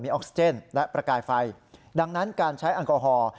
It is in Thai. ออกซิเจนและประกายไฟดังนั้นการใช้แอลกอฮอล์